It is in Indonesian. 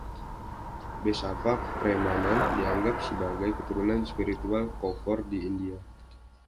Basava Premanand dianggap sebagai keturunan spiritual Kovoor di India.